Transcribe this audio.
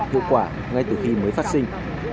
hiệu quả ngay từ khi mới phát sinh